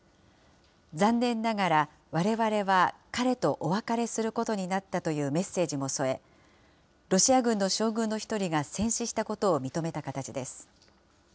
残念ながら、われわれは彼とお別れすることになったというメッセージも添え、ロシア軍の将軍の１人が戦死したことを認めた形です。